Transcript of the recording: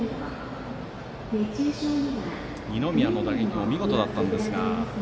二宮の打撃も見事だったんですが。